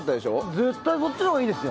絶対そっちのほうがいいですよ。